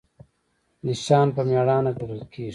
نشان په میړانه ګټل کیږي